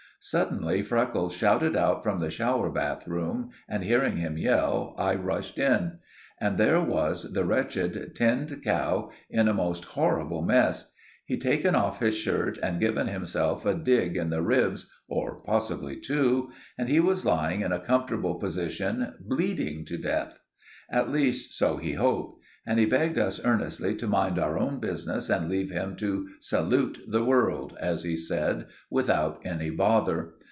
Suddenly Freckles shouted out from the shower bath room, and, hearing him yell, I rushed in. And there was the wretched Tinned Cow in a most horrible mess. He'd taken off his shirt and given himself a dig in the ribs, or possibly two, and he was lying in a comfortable position bleeding to death. At least, so he hoped; and he begged us earnestly to mind our own business and leave him to 'salute the world,' as he said, without any bother.